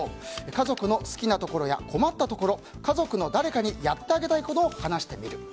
家族の好きなところや困ったこと家族の誰かにやってあげたいことを話してみる。